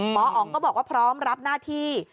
หมออ๋องก็บอกว่าพร้อมรับหน้าที่